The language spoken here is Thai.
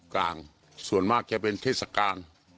กลางส่วนมากจะเป็นเทศกาล